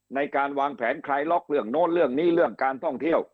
ในการวางแผนคลายล็อกเรื่องโน้นเรื่องนี้เรื่องการท่องเที่ยว